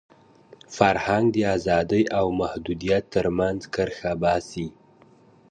فرهنګ د ازادۍ او محدودیت تر منځ کرښه باسي.